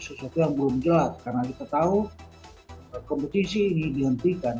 sesuatu yang belum jelas karena diketahui kompetisi dihentikan